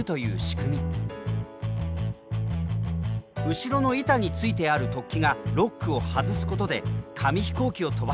後ろの板についてある突起がロックを外すことで紙飛行機を飛ばします。